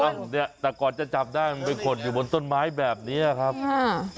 เนี่ยแต่ก่อนจะจับได้มันไปขดอยู่บนต้นไม้แบบเนี้ยครับค่ะ